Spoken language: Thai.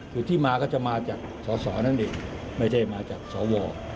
คือที่มาก็จะมาจากสอสอนั่นเองไม่ได้มาจากสว